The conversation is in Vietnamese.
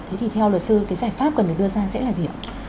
thế thì theo luật sư cái giải pháp cần phải đưa ra sẽ là gì ạ